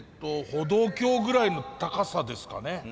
歩道橋ぐらいの高さですかね。